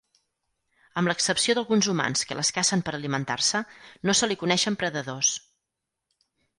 Amb l'excepció d'alguns humans que les cacen per alimentar-se, no se li coneixen predadors.